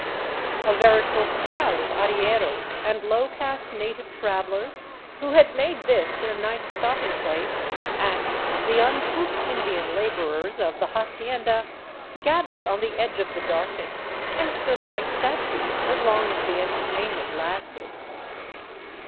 A veritable crowd of arrieros and low 397 VAGABONDING DOWN THE ANDES caste native travelers, who had made this their night's stopping place, and the uncouth Indian laborers of the hacienda, gathered on the edge of the darkness and stood like statues as long as the entertainment lasted.